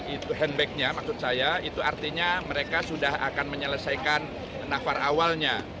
itu handbacknya maksud saya itu artinya mereka sudah akan menyelesaikan nafar awalnya